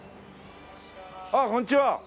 あっこんちは。